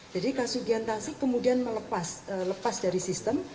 jadi kasugian tasik kemudian melepas dari sistem